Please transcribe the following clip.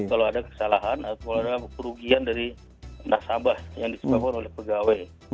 kalau ada kesalahan atau ada perugian dari nasabah yang dibobol oleh pegawai